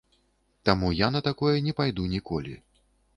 Таму я на такое не пайду ніколі.